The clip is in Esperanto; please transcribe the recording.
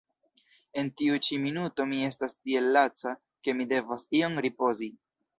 En tiu ĉi minuto mi estas tiel laca, ke mi devas iom ripozi.